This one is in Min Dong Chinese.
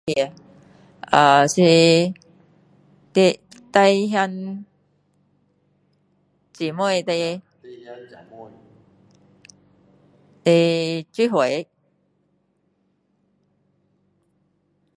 呃是弟兄姐妹的聚会